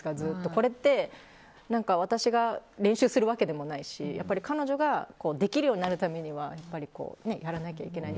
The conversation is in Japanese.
これって私が練習するわけでもないし彼女ができるようになるためにはやらなきゃいけない。